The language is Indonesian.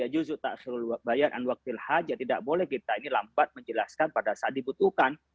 jadi tidak boleh kita ini lambat menjelaskan pada saat dibutuhkan